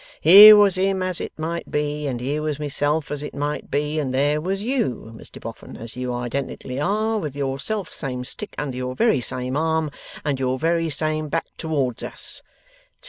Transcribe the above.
Here was him as it might be, and here was myself as it might be, and there was you, Mr Boffin, as you identically are, with your self same stick under your very same arm, and your very same back towards us.